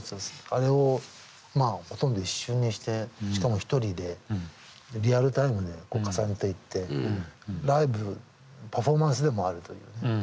あれをほとんど一瞬にしてしかも１人でリアルタイムで重ねていってライブパフォーマンスでもあるという。